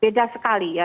beda sekali ya